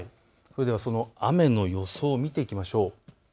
その雨の予想を見ていきましょう。